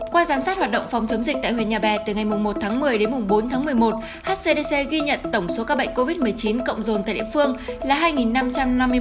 qua giám sát hoạt động phòng chống dịch tại huyện nhà bè từ ngày một một mươi đến bốn một mươi một hcdc ghi nhận tổng số các bệnh covid một mươi chín cộng dồn tại địa phương là hai năm trăm năm mươi một ca